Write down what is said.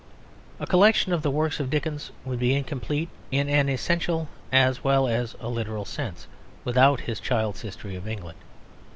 A collection of the works of Dickens would be incomplete in an essential as well as a literal sense without his Child's History of England.